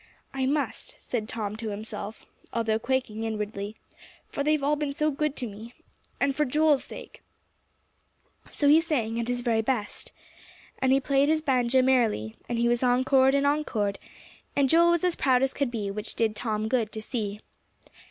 "I must," said Tom to himself, although quaking inwardly, "for they've all been so good to me and for Joel's sake!" So he sang at his very best. And he played his banjo merrily, and he was encored and encored; and Joel was as proud as could be, which did Tom good to see.